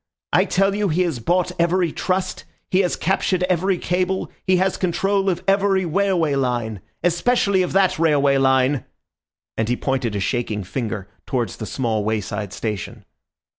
I tell you he has bought every trust, he has captured every cable, he has control of every railway line—especially of that railway line!" and he pointed a shaking finger towards the small wayside station.